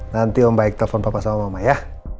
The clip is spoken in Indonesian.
nanti om baik telepon papa sama mama ya